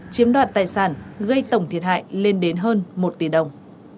chiếm đoạt tài sản gây tổng thiệt hại lên đến hơn một tỷ đồng